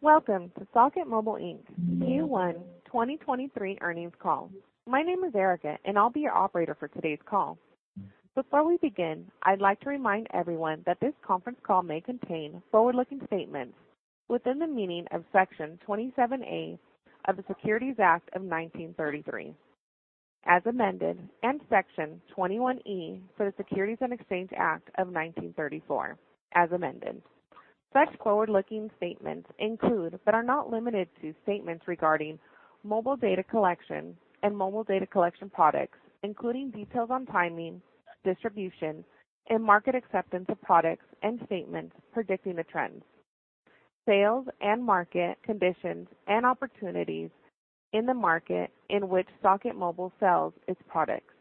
Welcome to Socket Mobile, Inc's Q1 2023 Earnings Call. My name is Erica, and I'll be your operator for today's call. Before we begin, I'd like to remind everyone that this conference call may contain forward-looking statements within the meaning of Section 27A of the Securities Act of 1933, as amended, and Section 21E for the Securities Exchange Act of 1934, as amended. Such forward-looking statements include, but are not limited to, statements regarding mobile data collection and mobile data collection products, including details on timing, distribution, and market acceptance of products, and statements predicting the trends, sales and market conditions, and opportunities in the market in which Socket Mobile sells its products.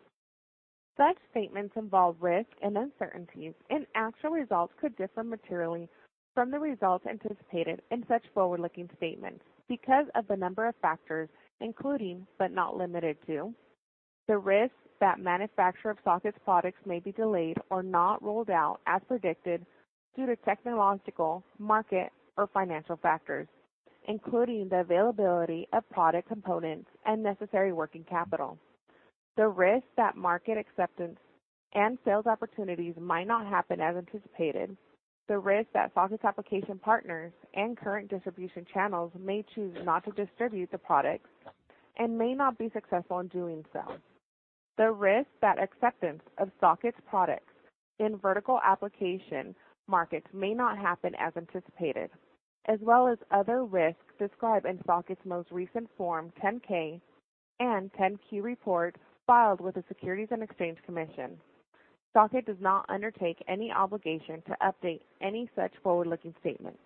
Such statements involve risks and uncertainties, and actual results could differ materially from the results anticipated in such forward-looking statements because of the number of factors, including, but not limited to, the risk that manufacture of Socket's products may be delayed or not rolled out as predicted due to technological, market, or financial factors, including the availability of product components and necessary working capital. The risk that market acceptance and sales opportunities might not happen as anticipated. The risk that Socket's application partners and current distribution channels may choose not to distribute the products and may not be successful in doing so. The risk that acceptance of Socket's products in vertical application markets may not happen as anticipated, as well as other risks described in Socket's most recent form 10-K and 10-Q report filed with the Securities and Exchange Commission. Socket does not undertake any obligation to update any such forward-looking statements.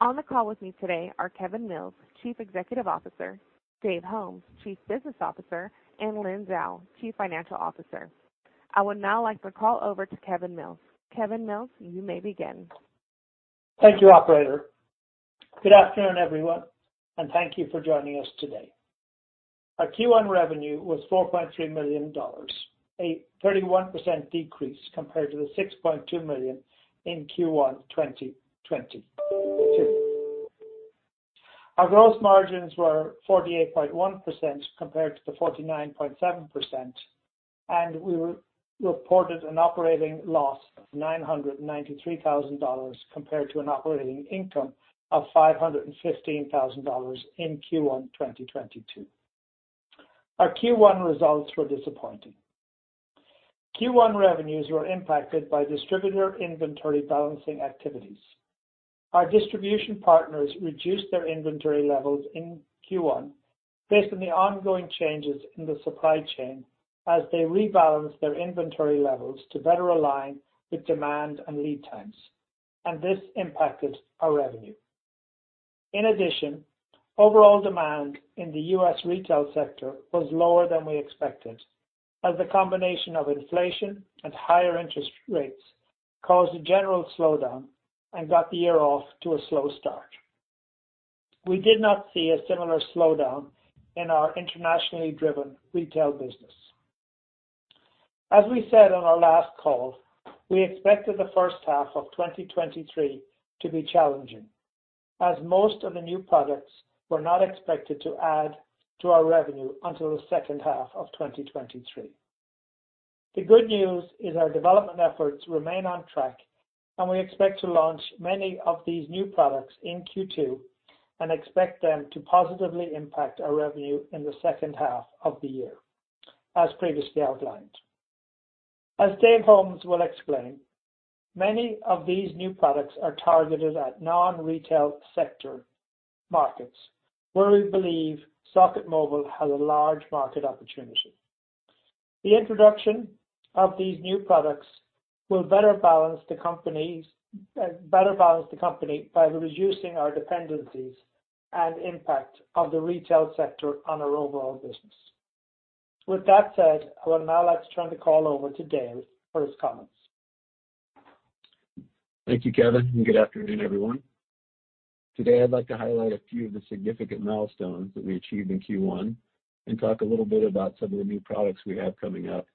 On the call with me today are Kevin Mills, Chief Executive Officer; Dave Holmes, Chief Business Officer; and Lynn Zhao, Chief Financial Officer. I would now like to call over to Kevin Mills. Kevin Mills, you may begin. Thank you, operator. Good afternoon, everyone, and thank you for joining us today. Our Q1 revenue was $4.3 million, a 31% decrease compared to the $6.2 million in Q1 2022. Our gross margins were 48.1% compared to the 49.7%, and we reported an operating loss of $993,000 compared to an operating income of $515,000 in Q1 2022. Our Q1 results were disappointing. Q1 revenues were impacted by distributor inventory balancing activities. Our distribution partners reduced their inventory levels in Q1 based on the ongoing changes in the supply chain as they rebalanced their inventory levels to better align with demand and lead times, and this impacted our revenue. In addition, overall demand in the U.S. retail sector was lower than we expected, as the combination of inflation and higher interest rates caused a general slowdown and got the year off to a slow start. We did not see a similar slowdown in our internationally driven retail business. As we said on our last call, we expected the first half of 2023 to be challenging, as most of the new products were not expected to add to our revenue until the second half of 2023. The good news is our development efforts remain on track, and we expect to launch many of these new products in Q2 and expect them to positively impact our revenue in the second half of the year, as previously outlined. As Dave Holmes will explain, many of these new products are targeted at non-retail sector markets, where we believe Socket Mobile has a large market opportunity. The introduction of these new products will better balance the company by reducing our dependencies and impact of the retail sector on our overall business. With that said, I would now like to turn the call over to Dave for his comments. Thank you, Kevin, and good afternoon, everyone. Today, I'd like to highlight a few of the significant milestones that we achieved in Q1 and talk a little bit about some of the new products we have coming up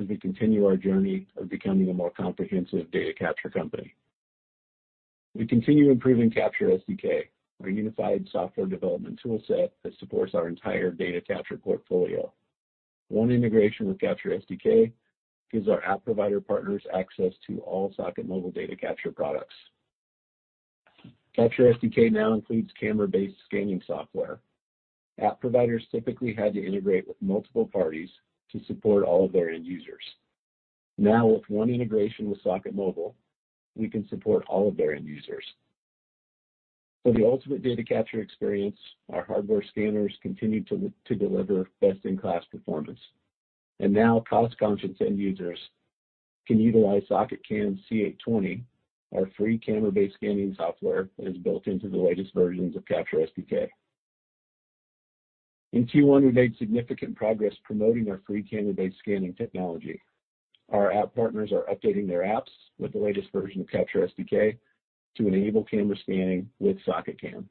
as we continue our journey of becoming a more comprehensive data capture company. We continue improving CaptureSDK, our unified software development toolset that supports our entire data capture portfolio. One integration with CaptureSDK gives our app provider partners access to all Socket Mobile data capture products. CaptureSDK now includes camera-based scanning software. App providers typically had to integrate with multiple parties to support all of their end users. Now, with one integration with Socket Mobile, we can support all of their end users. For the ultimate data capture experience, our hardware scanners continue to deliver best-in-class performance. Now, cost-conscious end users can utilize SocketCam C820. Our free camera-based scanning software is built into the latest versions of CaptureSDK. In Q1, we made significant progress promoting our free camera-based scanning technology. Our app partners are updating their apps with the latest version of CaptureSDK to enable camera scanning with SocketCam.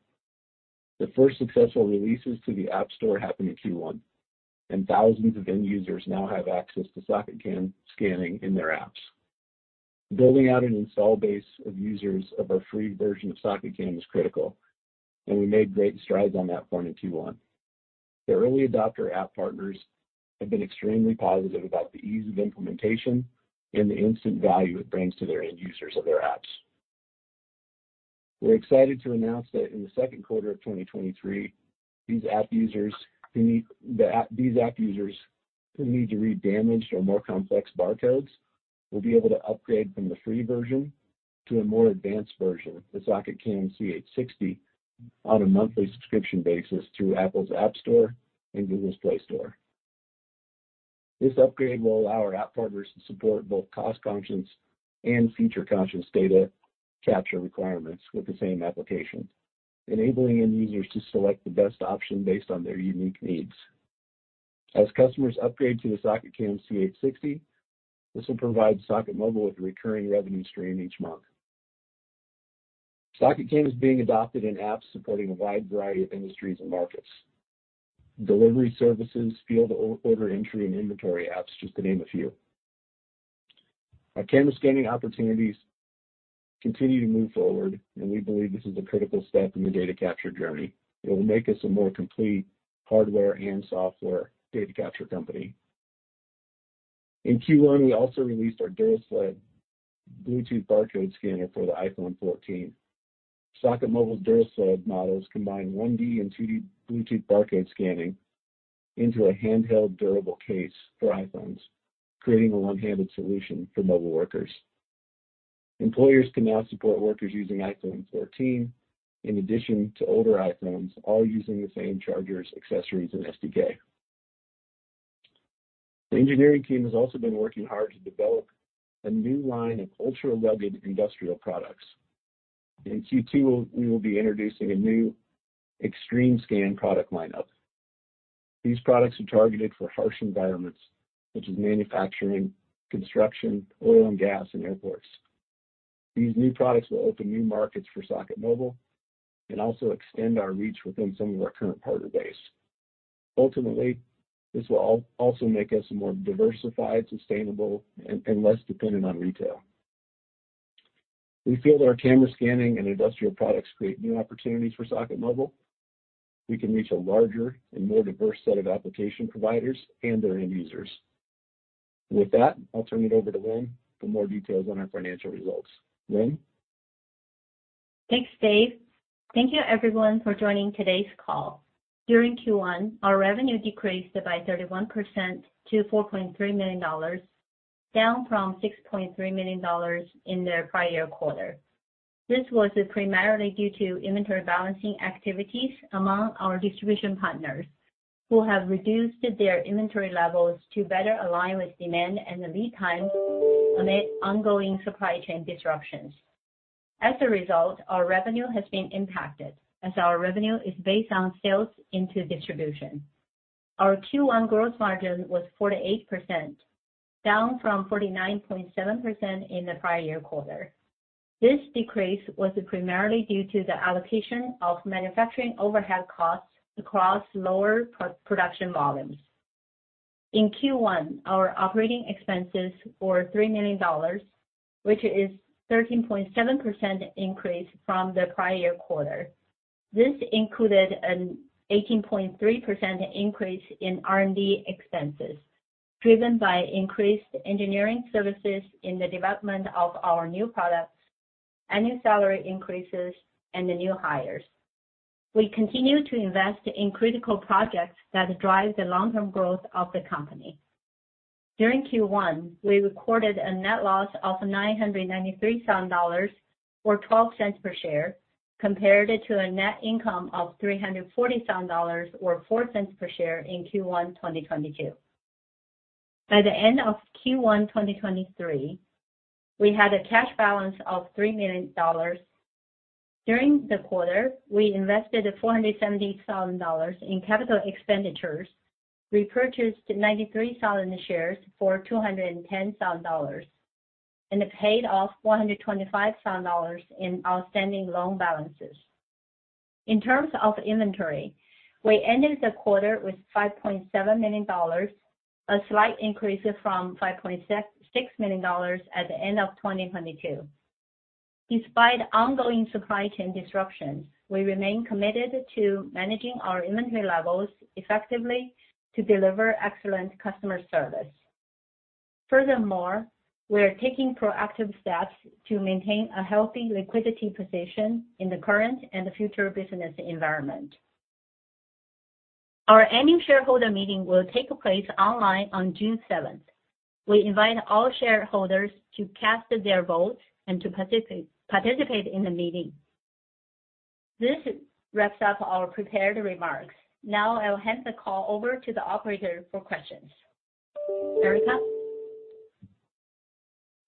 The first successful releases to the App Store happened in Q1. Thousands of end users now have access to Socket Cam scanning in their apps. Building out an install base of users of our free version of Socket Cam is critical. We made great strides on that front in Q1. The early adopter app partners have been extremely positive about the ease of implementation and the instant value it brings to their end users of their apps. We're excited to announce that in the second quarter of 2023, these app users who need to read damaged or more complex barcodes will be able to upgrade from the free version to a more advanced version, the SocketCam C860, on a monthly subscription basis through Apple's App Store and Google's Play Store. This upgrade will allow our app partners to support both cost-conscious and feature-conscious data capture requirements with the same application, enabling end users to select the best option based on their unique needs. As customers upgrade to the SocketCam C860, this will provide Socket Mobile with a recurring revenue stream each month. SocketCam is being adopted in apps supporting a wide variety of industries and markets, delivery services, field order entry, and inventory apps, just to name a few. Our camera scanning opportunities continue to move forward. We believe this is a critical step in the data capture journey. It will make us a more complete hardware and software data capture company. In Q1, we also released our DuraSled Bluetooth Barcode Scanner for the iPhone 14. Socket Mobile's DuraSled models combine 1D and 2D Bluetooth barcode scanning into a handheld durable case for iPhones, creating a one-handed solution for mobile workers. Employers can now support workers using iPhone 14 in addition to older iPhones, all using the same chargers, accessories, and SDK. The engineering team has also been working hard to develop a new line of ultra-rugged industrial products. In Q2, we will be introducing a new XtremeScan product lineup. These products are targeted for harsh environments such as manufacturing, construction, oil and gas, and airports. These new products will open new markets for Socket Mobile and also extend our reach within some of our current partner base. Ultimately, this will also make us more diversified, sustainable, and less dependent on retail. We feel that our camera scanning and industrial products create new opportunities for Socket Mobile. We can reach a larger and more diverse set of application providers and their end users. With that, I'll turn it over to Lynn for more details on our financial results. Lynn. Thanks, Dave. Thank you everyone for joining today's call. During Q1, our revenue decreased by 31% to $4.3 million, down from $6.3 million in the prior quarter. This was primarily due to inventory balancing activities among our distribution partners, who have reduced their inventory levels to better align with demand and the lead time amid ongoing supply chain disruptions. As a result, our revenue has been impacted as our revenue is based on sales into distribution. Our Q1 gross margin was 48%, down from 49.7% in the prior quarter. This decrease was primarily due to the allocation of manufacturing overhead costs across lower production volumes. In Q1, our operating expenses were $3 million, which is 13.7% increase from the prior quarter. This included an 18.3% increase in R&D expenses, driven by increased engineering services in the development of our new products and new salary increases and the new hires. We continue to invest in critical projects that drive the long-term growth of the company. During Q1, we recorded a net loss of $993,000 or $0.12 per share, compared to a net income of $340,000 or $0.04 per share in Q1, 2022. By the end of Q1, 2023, we had a cash balance of $3 million. During the quarter, we invested $470,000 in capital expenditures. We purchased 93,000 shares for $210,000 and paid off $125,000 in outstanding loan balances. In terms of inventory, we ended the quarter with $5.7 million, a slight increase from $5.66 million at the end of 2022. Despite ongoing supply chain disruptions, we remain committed to managing our inventory levels effectively to deliver excellent customer service. Furthermore, we are taking proactive steps to maintain a healthy liquidity position in the current and future business environment. Our annual shareholder meeting will take place online on June 7th. We invite all shareholders to cast their vote and to participate in the meeting. This wraps up our prepared remarks. Now I'll hand the call over to the operator for questions.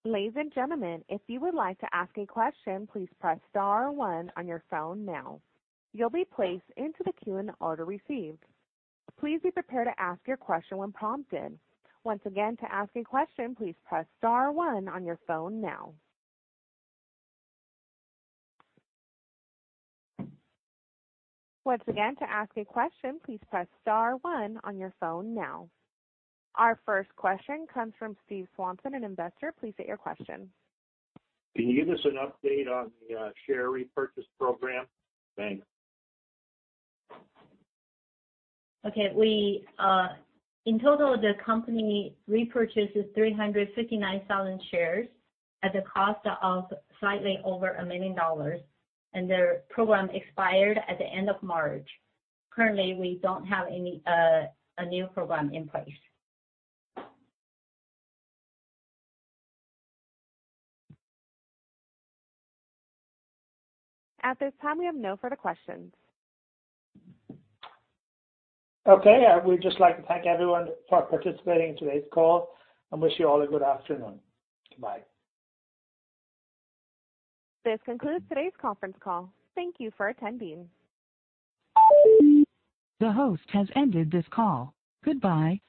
Erica. Ladies and gentlemen, if you would like to ask a question, please press star one on your phone now. You'll be placed into the queue in the order received. Please be prepared to ask your question when prompted. Once again, to ask a question, please press star one on your phone now. Once again, to ask a question, please press star one on your phone now. Our first question comes from Steve Swanson, an Investor. Please state your question. Can you give us an update on the share repurchase program? Thanks. Okay. We In total, the company repurchases 359,000 shares at the cost of slightly over $1 million, and their program expired at the end of March. Currently, we don't have any a new program in place. At this time, we have no further questions. Okay. I would just like to thank everyone for participating in today's call and wish you all a good afternoon. Goodbye. This concludes today's conference call. Thank you for attending. The host has ended this call. Goodbye.